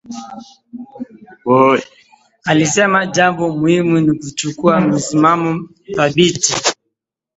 Alisema jambo muhimu ni kuchukua msimamo thabiti